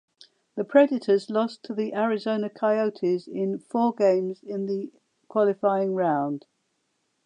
The Predators lost to the Arizona Coyotes in four games in the qualifying round.